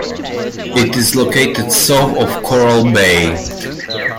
It is located south of Corral Bay.